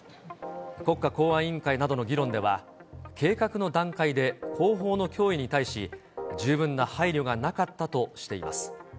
国家公安委員会などの議論では、計画の段階で後方の脅威に対し、十分な配慮がなかったとしています。